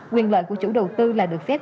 quyền lợi của chủ đầu tư là được phép